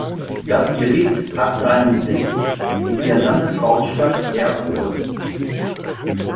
Das Gericht hat seinen Sitz in der Landeshauptstadt Erfurt.